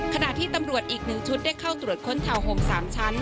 ขณะที่ตำรวจอีก๑ชุดได้เข้าตรวจค้นทาวนโฮม๓ชั้น